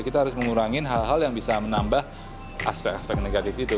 kita harus mengurangi hal hal yang bisa menambah aspek aspek negatif itu